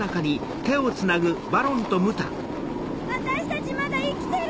私たちまだ生きてる？